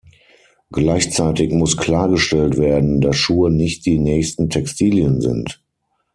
Gleichzeitig muss klargestellt werden, dass Schuhe nicht die nächsten Textilien sind.